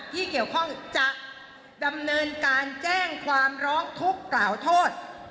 ที่เกี่ยวข้องจะดำเนินการแจ้งความร้องทุกข์กล่าวโทษ